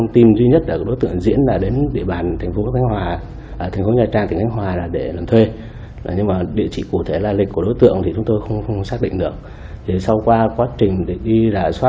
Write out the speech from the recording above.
tuy nhiên chúng tôi đã gọi được tên là điện đồng tuần thế giới của tân hà bốn